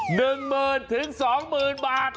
๑หมื่นถึง๒หมื่นบาท